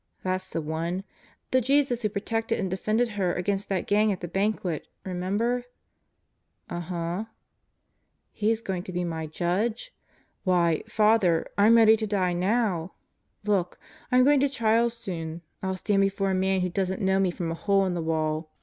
"That's the one. The Jesus who protected and defended her against that gang at the banquet, remember?" "Uh huh." "He's going to be my Judge? Why, Father, I'm ready to die now. Look. I'm going to trial soon. I'll stand before a man who doesn't know me from a hole in the wall.